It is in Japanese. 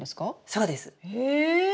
そうです！え！